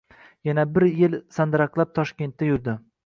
Yana bir yil sandiraqlab Toshkentda yurdi